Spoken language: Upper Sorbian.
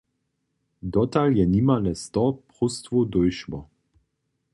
Dotal je nimale sto próstwow dóšło.